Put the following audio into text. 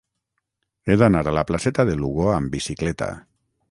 He d'anar a la placeta de Lugo amb bicicleta.